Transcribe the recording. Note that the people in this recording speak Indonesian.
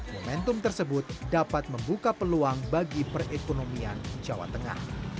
momentum tersebut dapat membuka peluang bagi perekonomian jawa tengah